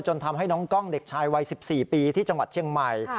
ทำให้น้องกล้องเด็กชายวัย๑๔ปีที่จังหวัดเชียงใหม่